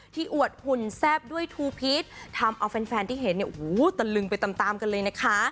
อวดหุ่นแซ่บด้วยทูพีชทำเอาแฟนที่เห็นเนี่ยโอ้โหตะลึงไปตามตามกันเลยนะคะ